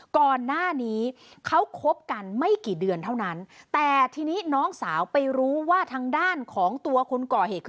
ก่อนหน้านี้เขาคบกันไม่กี่เดือนเท่านั้นแต่ทีนี้น้องสาวไปรู้ว่าทางด้านของตัวคนก่อเหตุคือ